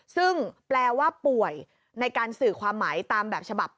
ซึ่งแปลว่าป่วยในการสื่อความหมายตามแบบฉบับ